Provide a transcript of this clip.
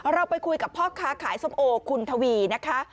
เราไปคุยกับพ่อค้าขายส้มโอคุณทวีนะคะ